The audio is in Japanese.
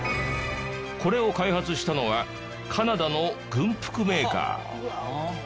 これを開発したのはカナダの軍服メーカー。